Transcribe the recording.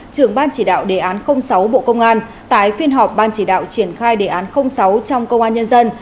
trưởng ban chỉ đạo đề án sáu bộ công an tại phiên họp ban chỉ đạo triển khai đề án sáu trong công an nhân dân